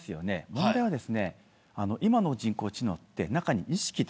問題は今の人工知能には意識